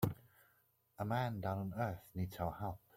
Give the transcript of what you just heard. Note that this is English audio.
A man down on earth needs our help.